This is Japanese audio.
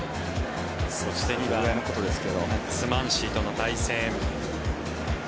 そして２番マックス・マンシーとの対戦。